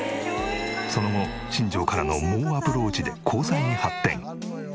その後新庄からの猛アプローチで交際に発展。